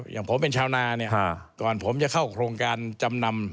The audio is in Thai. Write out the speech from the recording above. อย่างผมเป็นชาวนาเนี่ยก่อนผมจะเข้าโครงการจำนำ